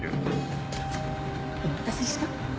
お待たせした？